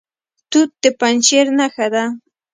توت د پنجشیر نښه ده.